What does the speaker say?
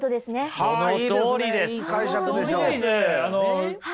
そのとおりです。